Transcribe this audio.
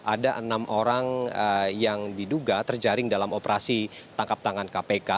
ada enam orang yang diduga terjaring dalam operasi tangkap tangan kpk